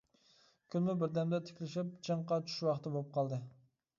كۈنمۇ بىردەملا تىكلىشىپ چىڭقا چۈش ۋاقتى بولۇپ قالدى.